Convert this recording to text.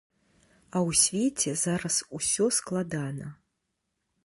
А ў свеце зараз усё складана.